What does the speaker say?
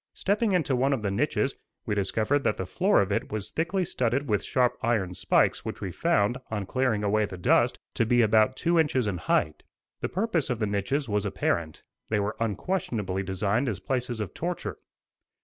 Stepping into one of the niches, we discovered that the floor of it was thickly studded with sharp iron spikes which we found, on clearing away the dust, to be about two inches in height. The purpose of the niches was apparent; they were unquestionably designed as places of torture.